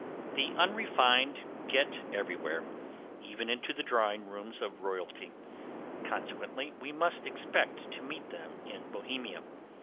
The unrefined get everywhere, even into the drawing rooms of royalty, consequently we must expect to meet them in Bohemia.